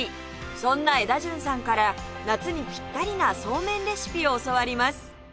そんなエダジュンさんから夏にピッタリなそうめんレシピを教わります